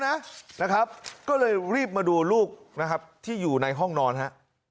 นะครับก็เลยรีบมาดูลูกนะครับที่อยู่ในห้องนอนฮะ